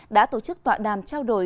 đã tổ chức tọa đàm trao đổi